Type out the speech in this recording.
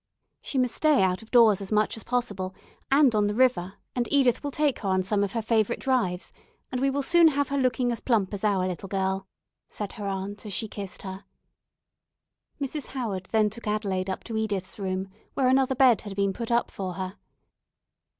"She must stay out of doors as much as possible, and on the river, and Edith will take her on some of her favourite drives, and we will soon have her looking as plump as our little girl," said her aunt as she kissed her. Mrs. Howard then took Adelaide up to Edith's room, where another bed had been put up for her.